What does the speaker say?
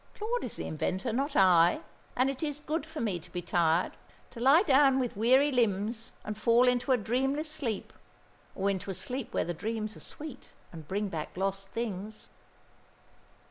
"Claude is the inventor, not I. And it is good for me to be tired; to lie down with weary limbs and fall into a dreamless sleep or into a sleep where the dreams are sweet, and bring back lost things."